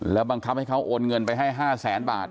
บังคับให้เขาโอนเงินไปให้๕แสนบาท